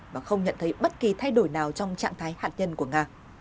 và không nhận thấy bất kỳ thay đổi nào trong trạng thái hạt nhân của nga